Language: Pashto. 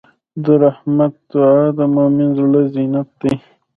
د رحمت دعا د مؤمن زړۀ زینت دی.